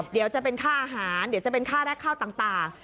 เดี๋ยวจะเป็นค่าอาหารเดี๋ยวจะเป็นค่าแรกข้าวต่าง